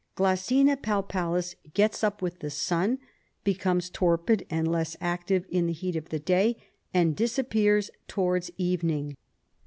Glossina palpalis gets up with the sun, becomes torpid and less active in the heat of the day, and disappears toward.^ evening.